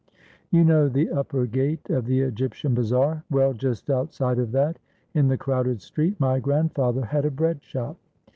] You know the upper gate of the Egyptian Bazaar. Well, just outside of that, in the crowded street, my grand father had a breadshop.